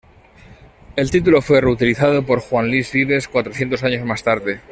El título fue reutilizado por Juan Luis Vives cuatrocientos años más tarde.